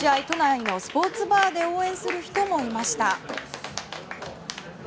都内のスポーツバーで応援する人もいました。